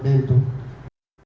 jadi ini untuk mereka juga